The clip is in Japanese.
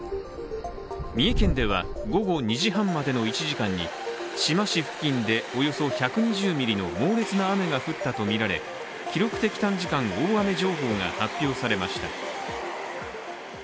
三重県では午後２時半までの１時間に志摩市付近でおよそ１２０ミリの猛烈な雨が降ったとみられ、記録的短時間大雨情報が発表されました。